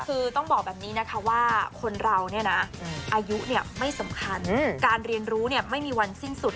คือต้องบอกแบบนี้นะคะว่าคนเราเนี่ยนะอายุไม่สำคัญการเรียนรู้ไม่มีวันสิ้นสุด